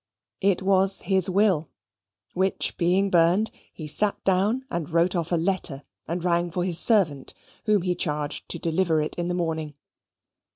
It was his will; which being burned, he sate down and wrote off a letter, and rang for his servant, whom he charged to deliver it in the morning.